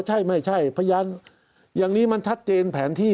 ใช่ไม่ใช่พยานอย่างนี้มันชัดเจนแผนที่